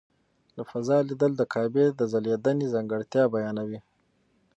له فضا لیدل د کعبې د ځلېدنې ځانګړتیا بیانوي.